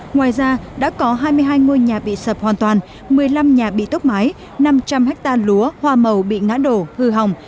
ngoài ra đã có hai mươi hai ngôi nhà bị sập hoàn toàn một mươi năm nhà bị tốc mái năm trăm linh hectare lúa hoa màu bị ngã đổ hư hỏng